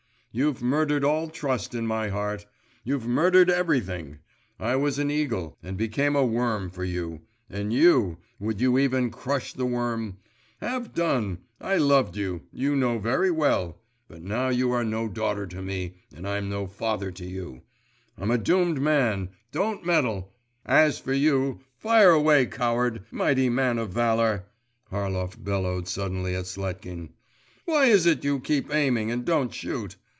You've murdered all trust in my heart! You've murdered everything! I was an eagle, and became a worm for you … and you, would you even crush the worm? Have done! I loved you, you know very well, but now you are no daughter to me, and I'm no father to you … I'm a doomed man! Don't meddle! As for you, fire away, coward, mighty man of valour!' Harlov bellowed suddenly at Sletkin. 'Why is it you keep aiming and don't shoot?